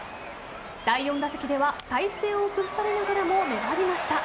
第４打席では体勢を崩されながらも粘りました。